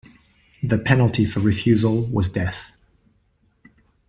The penalty for refusal was death.